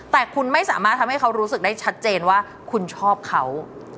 แต่คุณไม่สามารถทำให้เขารู้สึกได้ชัดเจนว่าคุณชอบเขา